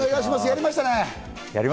やりましたね。